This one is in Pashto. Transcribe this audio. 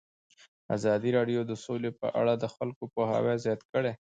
ازادي راډیو د سوله په اړه د خلکو پوهاوی زیات کړی.